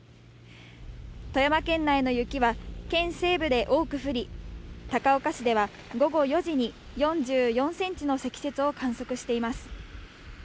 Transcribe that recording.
富山県内の雪は、県西部で多く降り、高岡市では午後４時に４４センチの積雪を観測しています。